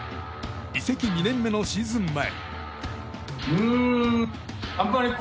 移籍２年目のシーズン前。